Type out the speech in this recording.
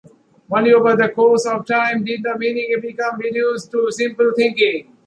Only over the course of time did the meaning become reduced to simple thinking.